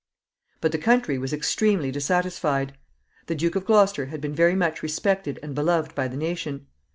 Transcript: But the country was extremely dissatisfied. The Duke of Gloucester had been very much respected and beloved by the nation.